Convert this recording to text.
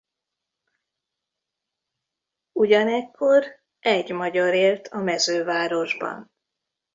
Ugyanekkor egy magyar élt a mezővárosban.